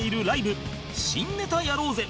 「新ネタやろうぜ！」